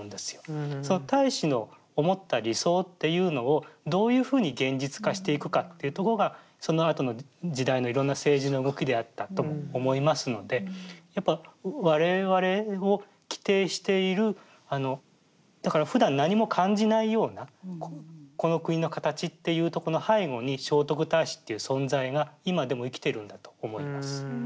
太子の思った理想っていうのをどういうふうに現実化していくかっていうとこがそのあとの時代のいろんな政治の動きであったとも思いますのでやっぱ我々を規定しているだからふだん何も感じないようなこの国の形っていうとこの背後に聖徳太子っていう存在が今でも生きているんだと思います。